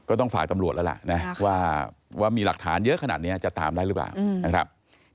ต้องฝากตำรวจแล้วล่ะนะว่ามีหลักฐานเยอะขนาดนี้จะตามได้หรือเปล่านะครับ